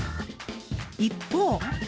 一方。